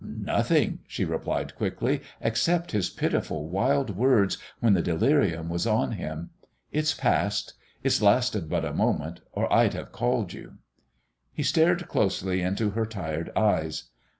"Nothing," she replied quickly, "except his pitiful, wild words when the delirium was on him. It's passed. It lasted but a moment, or I'd have called you." He stared closely into her tired eyes.